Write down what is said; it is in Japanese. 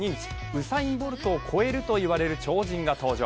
ウサイン・ボルトを超えると言われる超人が登場。